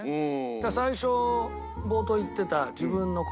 だから最初冒頭言ってた。